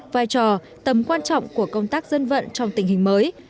vai trò tầm quan trọng của công tác dân vận trong tình hình mới